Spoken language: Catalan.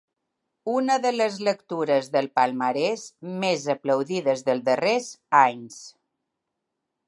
Una de les lectures del palmarès més aplaudides dels darrers anys.